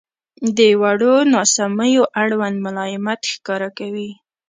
• د وړو ناسمیو اړوند ملایمت ښکاره کوئ.